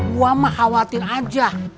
gua mah khawatir aja